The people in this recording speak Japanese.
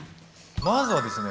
まずはですね